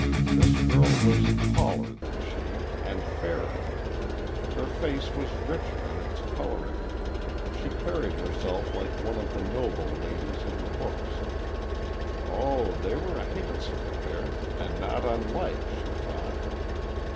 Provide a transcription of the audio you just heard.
This girl was taller than she, and fairer. Her face was richer in its coloring she carried herself like one of the noble ladies in the books. Oh, they were a handsome pair and not unlike, she thought.